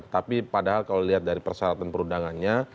tapi padahal kalau dilihat dari persyaratan perundangannya